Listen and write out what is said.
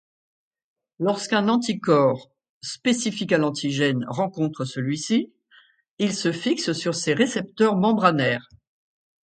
Lorsqu'un anticorps spécifique à l'antigène rencontre celui-ci, il se fixe sur ses récepteurs membranaires.